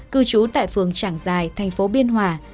cư trú tại phường trảng giài thành phố biên hòa